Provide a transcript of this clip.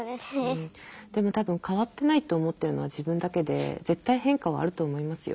でも多分変わってないと思ってるのは自分だけで絶対変化はあると思いますよ。